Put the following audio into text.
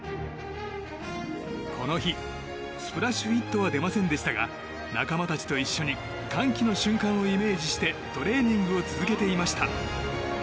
この日、スプラッシュヒットは出ませんでしたが仲間たちと一緒に歓喜の瞬間をイメージしてトレーニングを続けていました。